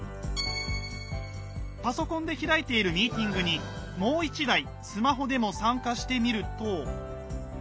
パソコンで開いているミーティングにもう１台スマホでも参加してみると。